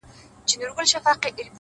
په بوتلونو شراب ماڅښلي.!